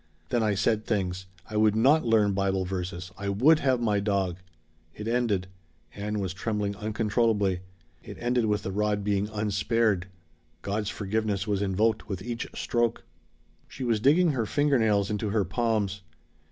Then I said things. I would not learn Bible verses. I would have my dog. It ended" Ann was trembling uncontrollably "it ended with the rod being unspared. God's forgiveness was invoked with each stroke." She was digging her finger nails into her palms.